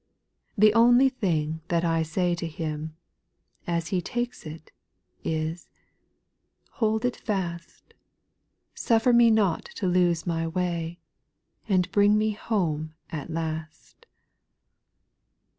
The only thing that I say to Him, As He takes it, is, " Hold it fast, Suffer me not to lose my way. And bring me home at last."